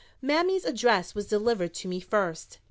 Mammy's address was delivered to me first.